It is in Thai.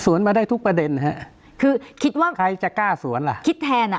มาได้ทุกประเด็นฮะคือคิดว่าใครจะกล้าสวนล่ะคิดแทนอ่ะ